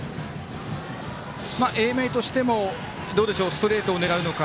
英明としてもストレートを狙うのか